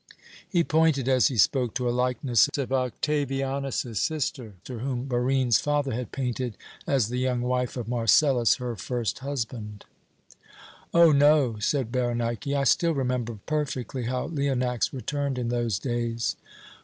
He pointed as he spoke to a likeness of Octavianus's sister, whom Barine's father had painted as the young wife of Marcellus, her first husband. "Oh, no!" said Berenike. "I still remember perfectly how Leonax returned in those days.